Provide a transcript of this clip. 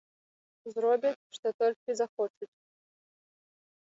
Зробяць, што толькі захочуць.